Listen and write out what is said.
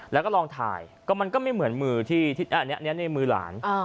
แล้วก็ลองถ่ายก็มันก็ไม่เหมือนมือที่อันนี้ในมือหลาน